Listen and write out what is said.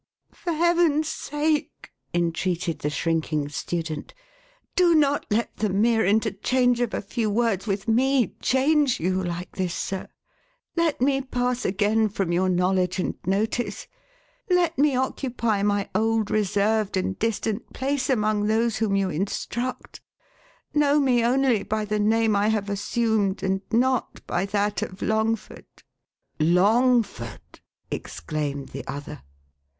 11 " For Heaven^ sake,11 entreated the shrinking student, " do not let the mere interchange of a few words with me change you like this, sir ! Let me pass again from your knowledge and notice. Lefe me occupy my old reserved and distant place among those whom you instinct. Know me only by the name I have assumed, and not by that of Longford —"" Longford !" exclaimed the other.